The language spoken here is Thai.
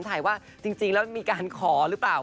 ถ่ายว่าจริงแล้วมีการขอหรือเปล่า